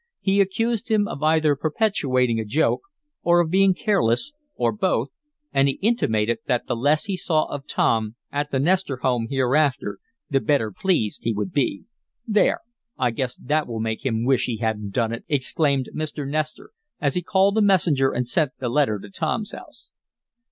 He accused him of either perpetrating a joke, or of being careless, or both, and he intimated that the less he saw of Tom at the Nestor home hereafter the better pleased he would be. "There! I guess that will make him wish he hadn't done it!" exclaimed Mr. Nestor, as he called a messenger and sent the letter to Tom's house.